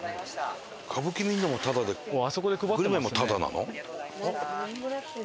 歌舞伎見るのもタダでグルメもタダなの？